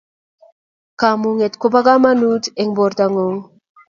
kamunget kopo kamanut eng portongung